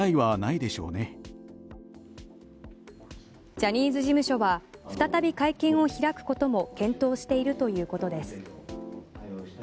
ジャニーズ事務所は再び会見を開くことも検討しているということです。